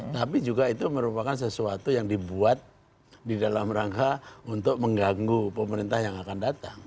tapi juga itu merupakan sesuatu yang dibuat di dalam rangka untuk mengganggu pemerintah yang akan datang